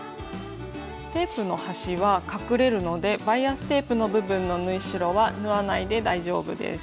テープの端は隠れるのでバイアステープの部分の縫い代は縫わないで大丈夫です。